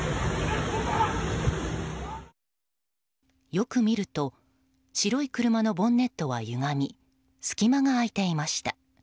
よく見ると白い車のボンネットはゆがみ隙間が空いていました。